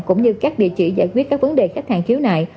cũng như các địa chỉ giải quyết các vấn đề khách hàng khiếu nại